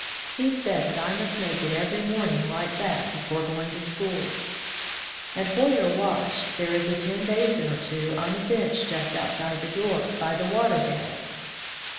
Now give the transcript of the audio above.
He said that I must make it every morning like that before going to school. "And for your wash, there is a tin basin or two on a bench just outside of the door, by the water barrels."